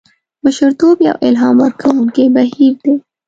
مشرتوب یو الهام ورکوونکی بهیر دی.